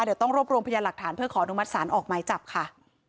เดี๋ยวต้องรวบรวมพยานหลักฐานเพื่อขออนุมัติศาลออกหมายจับค่ะ